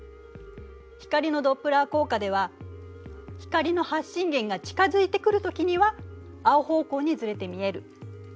光のドップラー効果では光の発信源が近づいてくるときには青方向にずれて見える。